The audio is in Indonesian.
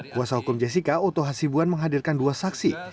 kuasa hukum jessica oto hasibuan menghadirkan dua saksi